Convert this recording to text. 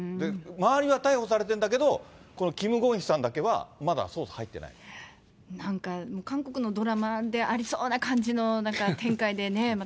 周りは逮捕されているんだけど、このキム・ゴンヒさんだけは、まなんか、韓国のドラマでありそうな感じの、なんか展開でね、また。